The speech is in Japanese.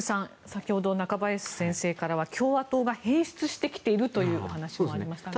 先ほど、中林先生からは共和党が変質してきているというお話がありましたが。